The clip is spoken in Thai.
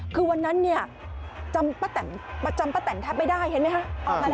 คือวันนั้นเนี่ยจำป้าแตนแทบไม่ได้เห็นไหมคะ